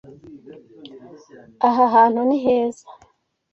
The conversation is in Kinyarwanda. Aha hantu ni heza.